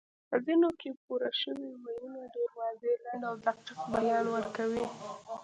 په ځینو کې پورشوي ویونه ډېر واضح، لنډ او دقیق بیان ورکوي